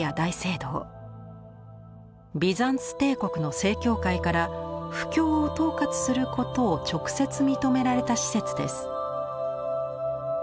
ビザンツ帝国の正教会から布教を統括することを直接認められた施設です。